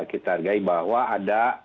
kita hargai bahwa ada